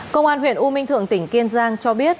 công an huyện u minh thượng tỉnh kiên giang cho biết